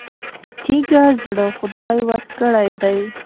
تېږه زړه خدای ورکړی دی.